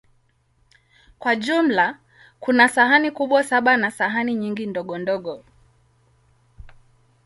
Kwa jumla, kuna sahani kubwa saba na sahani nyingi ndogondogo.